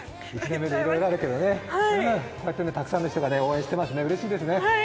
１年目でいろいろあるけどねこうやってたくさんの人が応援してますね、うれしいですね。